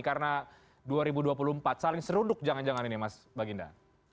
karena dua ribu dua puluh empat saling seruduk jangan jangan ini mas baginda